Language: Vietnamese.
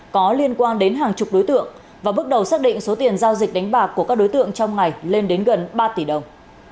có liên quan đến hàng chục đối tượng và bước đầu xác định số tiền giao dịch đánh bạc của các đối tượng trong ngày lên đến gần ba tỷ đồng